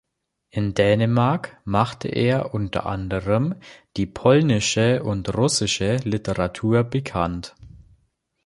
In Dänemark machte er unter anderem die polnische und russische Literatur bekannt.